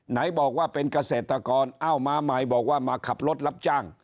ไหนบอกว่าเป็นเกษตรกรเอ้ามาใหม่บอกว่ามาขับรถรับจ้าง